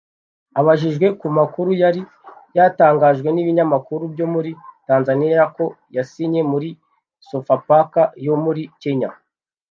Abijijwe ku makuru yari yatangajwe n’ibinyamakuru byo muri Tanzania ko yasinye muri Sofapaka yo muri Kenya